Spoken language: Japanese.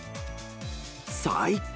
最高！